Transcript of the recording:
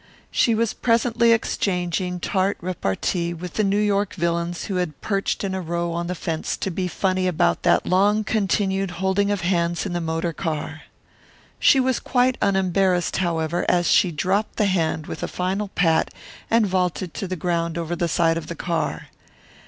She was presently exchanging tart repartee with the New York villains who had perched in a row on the fence to be funny about that long continued holding of hands in the motor car. She was quite unembarrassed, however, as she dropped the hand with a final pat and vaulted to the ground over the side of the car.